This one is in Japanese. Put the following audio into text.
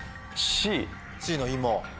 Ｃの芋。